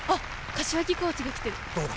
柏木コーチが来てるどこだ？